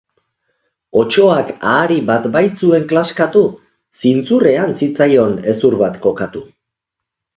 Otsoak ahari bat baitzuen klaskatu, zintzurrean zitzaion hezur bat kokatu.